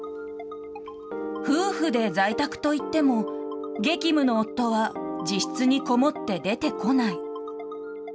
夫婦で在宅といっても激務の夫は自室に籠もって出てこない。